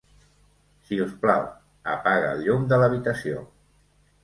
Si us plau, apaga el llum de l'habitació.